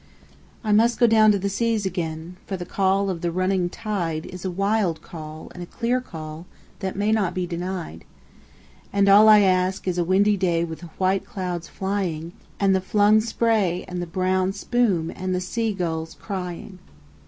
I must down go to the seas again, for the call of the running tide Is a wild call and a clear call that may not be denied; And all I ask is a windy day with the white clouds flying, And the flung spray and the blown spume, and the sea gulls crying.